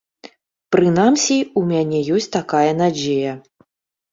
Прынамсі, у мяне ёсць такая надзея.